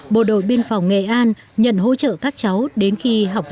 bộ đội biên phòng nghệ an nhận hỗ trợ các cháu đến khi học